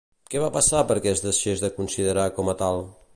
Què va passar perquè es deixés de considerar com a tal?